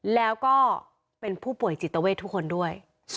แล้วก็เป็นผู้ป่วยจิตเวททุกคนด้วย